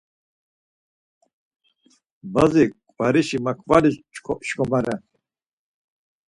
Bazi ǩvarişi makvali şǩomare.